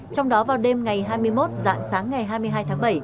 trong đó vào đêm ngày hai mươi một dạng sáng ngày hai mươi hai tháng bảy